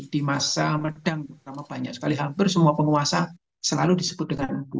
di masa medang pertama banyak sekali hampir semua penguasa selalu disebut dengan